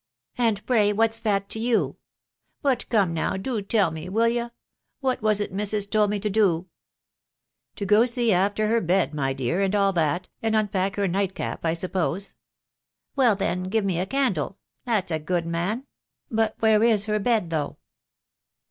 w And pray what's that to you ?••. But come now, do tell me, will y', what was it missus told me to do ?"" To go see after her bed, my dear, and all that, and un pack her nightcap, I suppose." " Well, then, give me a candle,— that's a good man. ... But where is her bed, though